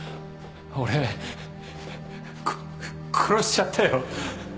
俺殺しちゃったよ